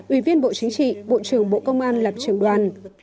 ủy viên bộ chính trị bộ trưởng bộ công an làm trường đoàn